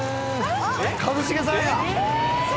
一茂さんや！